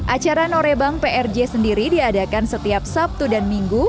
acara norebang prj sendiri diadakan setiap sabtu dan minggu